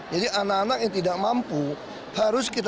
jadi anak anak yang tidak mampu harus kira